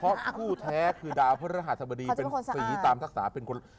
เพราะคู่แท้คือดาวพระราชบดีเป็นสีตามศักดิ์ศาสตรา